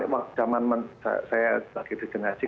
waktu jaman saya lagi di generasi